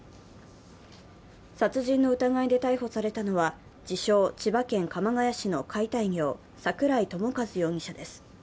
殺人の疑いで逮捕されたのは、自称・千葉県鎌ケ谷市の解体業、桜井朝和容疑者です。